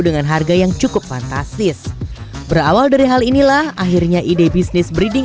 dengan harga yang cukup fantastis berawal dari hal inilah akhirnya ide bisnis breeding